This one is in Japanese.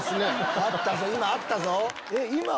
今あったぞ！